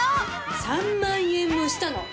３万円もしたの！